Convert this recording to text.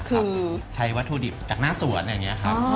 คือใช้วัตถุดิบจากหน้าสวนอย่างนี้ครับ